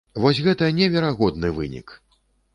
Вось гэта неверагодны вынік!